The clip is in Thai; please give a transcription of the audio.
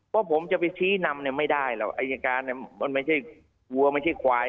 เพราะผมจะไปชี้นำไม่ได้หรอกอายการมันไม่ใช่วัวไม่ใช่ควาย